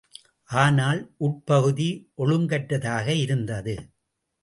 ஆனால், உட்பகுதி ஒழுங்கற்றதாக இருந்தது.